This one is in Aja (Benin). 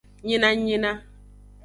Nyinanyina.